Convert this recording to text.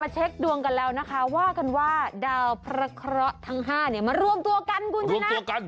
เช็คดวงกันแล้วนะคะว่ากันว่าดาวพระเคราะห์ทั้ง๕เนี่ยมารวมตัวกันคุณชนะ